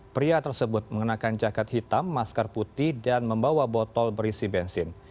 pria tersebut mengenakan jaket hitam masker putih dan membawa botol berisi bensin